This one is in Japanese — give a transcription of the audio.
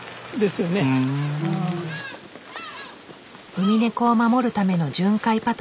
ウミネコを守るための巡回パトロール。